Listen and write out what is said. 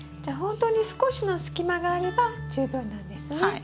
じゃあほんとに少しの隙間があれば十分なんですね。